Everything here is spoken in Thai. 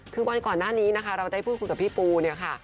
คือวันก่อนหน้านี้นะคะเราได้พูดคุยกับพี่ปูเนี่ยค่ะ